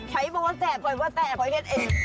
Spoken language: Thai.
ใช้โบสถ์แปลกแปลกเท่นเอง